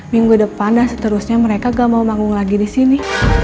minggu depan dan seterusnya mereka gak mau manggung lagi di sini